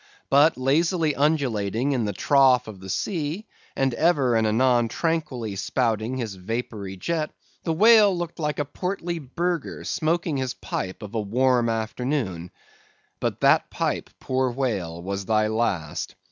But lazily undulating in the trough of the sea, and ever and anon tranquilly spouting his vapory jet, the whale looked like a portly burgher smoking his pipe of a warm afternoon. But that pipe, poor whale, was thy last.